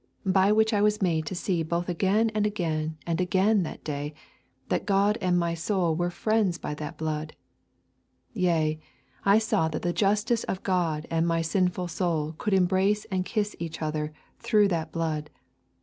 By which I was made to see both again and again and again that day that God and my soul were friends by that blood: yea, I saw that the justice of God and my sinful soul could embrace and kiss each other through that blood.